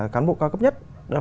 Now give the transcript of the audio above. cán bộ cao cấp nhất